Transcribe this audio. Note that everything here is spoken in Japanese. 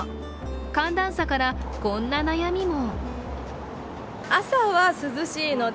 寒暖差からこんな悩みも。